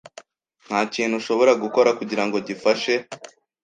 Nta kintu ushobora gukora kugirango gifashe?